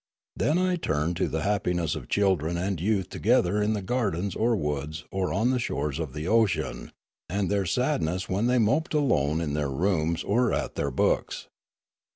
Then I turned to the happiness of children and youth together in the gardens or woods or on the shores of the ocean, and their sad ness when they moped alone in their rooms or at their books.